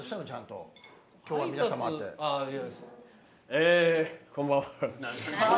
えこんばんは。